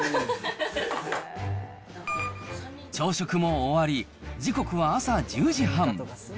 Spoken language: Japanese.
朝食も終わり、時刻は朝１０時半。